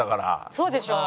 そうでしょう。